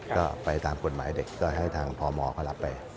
ก็ไปตามกฎหมายเด็กก็ให้ทางพมเขารับไป